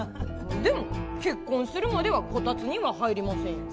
でも結婚するまではこたつには入りませんよ。